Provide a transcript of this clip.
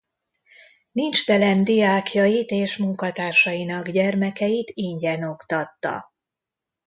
Nincstelen diákjait és munkatársainak gyermekeit ingyen oktatta.